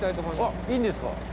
あっいいんですか？